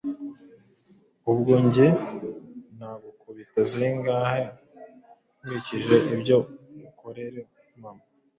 ubwo njye nagukubita zingahe nkurikije ibyo ukorera mama